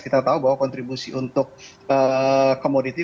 kita tahu bahwa kontribusi untuk komoditi